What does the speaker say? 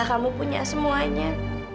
kamu punya semuanya